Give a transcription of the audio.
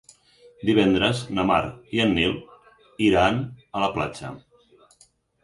Divendres na Mar i en Nil iran a la platja.